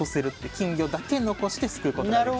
金魚だけ残してすくうことができる。